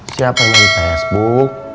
siapa main facebook